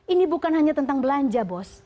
ini bukan hanya tentang belanja bos